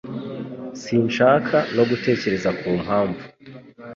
Sinshaka no gutekereza ku mpamvu.